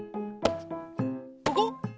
ここ？